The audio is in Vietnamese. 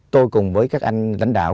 tôi cùng với các anh lãnh đạo